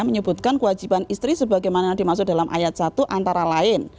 menyebutkan kewajiban istri sebagaimana dimaksud dalam ayat satu antara lain